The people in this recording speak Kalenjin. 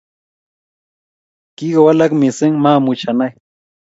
kiki walaka mising maamuch anai